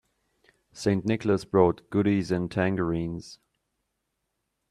St. Nicholas brought goodies and tangerines.